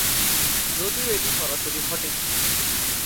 যদিও এটি সরাসরি ঘটেনি।